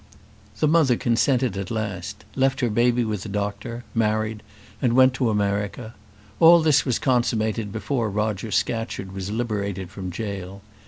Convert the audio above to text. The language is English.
The mother consented at last; left her baby with the doctor, married, and went to America. All this was consummated before Roger Scatcherd was liberated from jail.